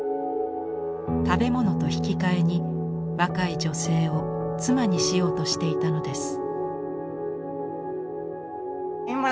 食べ物と引き換えに若い女性を妻にしようとしていたのです。